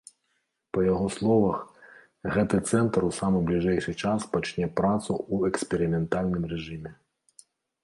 Па яго словах, гэты цэнтр у самы бліжэйшы час пачне працу ў эксперыментальным рэжыме.